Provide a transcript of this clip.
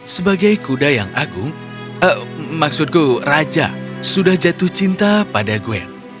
sebagai kuda yang agung maksudku raja sudah jatuh cinta pada gue